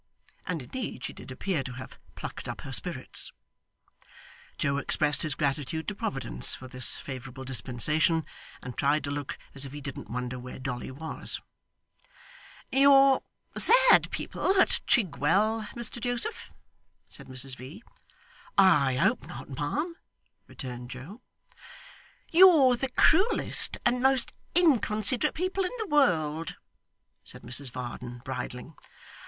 And indeed she did appear to have plucked up her spirits. Joe expressed his gratitude to Providence for this favourable dispensation, and tried to look as if he didn't wonder where Dolly was. 'You're sad people at Chigwell, Mr Joseph,' said Mrs V. 'I hope not, ma'am,' returned Joe. 'You're the cruellest and most inconsiderate people in the world,' said Mrs Varden, bridling.